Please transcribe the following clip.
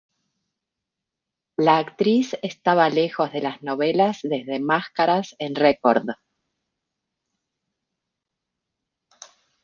La actriz estaba lejos de las novelas desde "Máscaras" en Record.